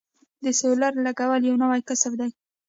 د سولر لګول یو نوی کسب دی